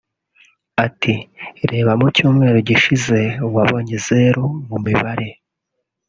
Ati “Reba mu cyumweru gishize wabonye zeru mu mibare